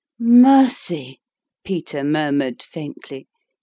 " Mercy !" Peter murmured faintly.